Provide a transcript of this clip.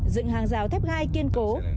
dựng hàng rào thép gai kiên cố